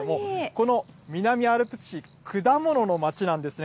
この南アルプス市、果物の街なんですね。